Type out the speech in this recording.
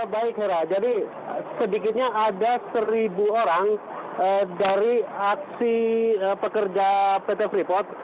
baik hera jadi sedikitnya ada seribu orang dari aksi pekerja pt freeport